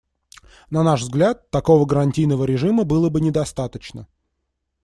На наш взгляд, такого гарантийного режима было бы недостаточно.